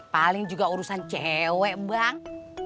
paling juga urusan cewek bang